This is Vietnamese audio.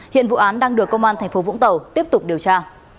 hiện vụ án đang được công an tp vũng tàu tiếp tục điều tra